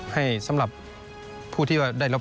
ให้สำหรับผู้ที่ได้รับ